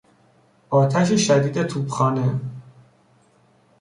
آتش شدید توپخانه